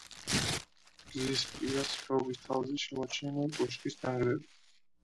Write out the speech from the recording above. გზის პირას, ხეობის თავზე შემორჩენილია კოშკის ნანგრევი.